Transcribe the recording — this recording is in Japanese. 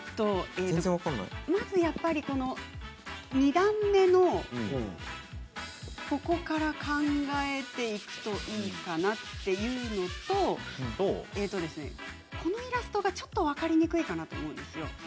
まずやっぱり２段目のここから考えていくといいかなというのとこのイラストがちょっと分かりづらいかなと思うんですよね。